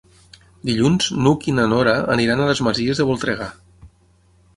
Dilluns n'Hug i na Nora aniran a les Masies de Voltregà.